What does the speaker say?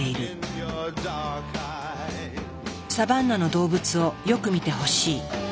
サバンナの動物をよく見てほしい。